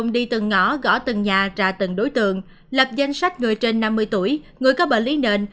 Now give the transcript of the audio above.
đi từng ngõ gõ từng nhà ra từng đối tượng lập danh sách người trên năm mươi tuổi người có bệnh lý nền